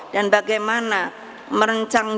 dan bagaimana merencang jangkaan